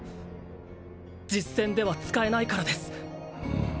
実戦では使えないからです